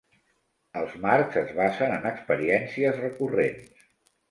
Els marcs es basen en experiències recurrents.